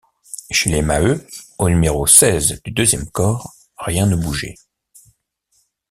Chez les Maheu, au numéro seize du deuxième corps, rien ne bougeait.